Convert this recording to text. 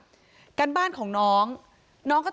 เป็นมีดปลายแหลมยาวประมาณ๑ฟุตนะฮะที่ใช้ก่อเหตุ